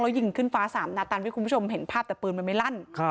แล้วยิงขึ้นฟ้าสามหน้าตันเพื่อให้คุณผู้ชมมันเห็นภาพแต่ปืนมันไม่ลั่น